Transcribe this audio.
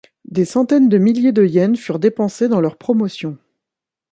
Des centaines de milliers de yens furent dépensés dans leur promotion.